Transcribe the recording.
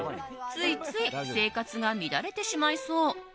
ついつい生活が乱れてしまいそう。